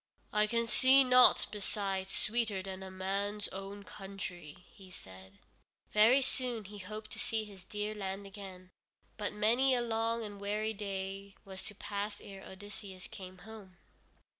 "I can see nought beside sweeter than a man's own country," he said. Very soon he hoped to see his dear land again, but many a long and weary day was to pass ere Odysseus came home.